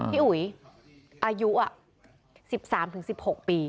พี่อุ๋ยอายุ๑๓๑๖ปี